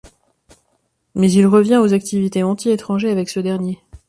Mais il revient aux activités anti-étrangers avec ce dernier.